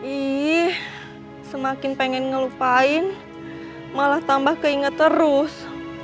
ih semakin pengen ngelupain malah tambah keinget terus